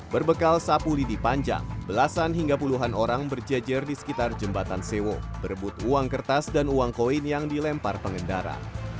berbekal sapu lidi panjang belasan hingga puluhan orang berjejer di sekitar jembatan sewo berebut uang kertas dan uang koin yang dilempar pengendara